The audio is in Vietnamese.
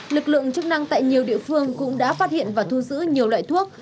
lực lượng chức năng tại nhiều địa phương cũng đã phát hiện và thu giữ nhiều loại thuốc